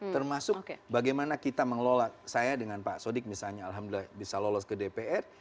termasuk bagaimana kita mengelola saya dengan pak sodik misalnya alhamdulillah bisa lolos ke dpr